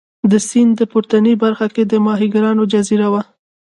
د سیند په پورتنۍ برخه کې د ماهیګیرانو جزیره وه.